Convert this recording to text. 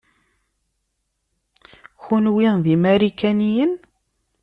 Kenwi d imarikaniyen?